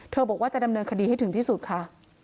บอกว่าจะดำเนินคดีให้ถึงที่สุดค่ะ